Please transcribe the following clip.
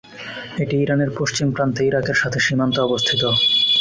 এটি ইরানের পশ্চিম প্রান্তে ইরাকের সাথে সীমান্তে অবস্থিত।